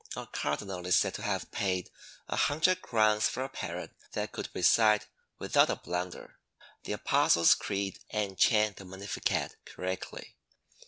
A cardinal is said to have paid a hundred crowns for a parrot that could recite without a blunder the Apostles' creed and chant the Magnificat correctly.